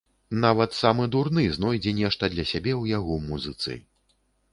Нават самы дурны знойдзе нешта для сябе ў яго музыцы!